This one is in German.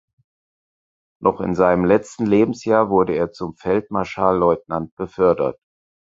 Noch in seinem letzten Lebensjahr wurde er zum Feldmarschallleutnant befördert.